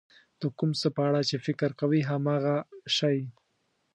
د کوم څه په اړه چې فکر کوئ هماغه شی.